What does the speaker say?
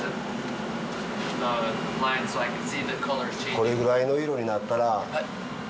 これくらいの色になったら。